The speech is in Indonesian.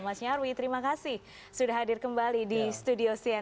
mas nyarwi terima kasih sudah hadir kembali di studio cnn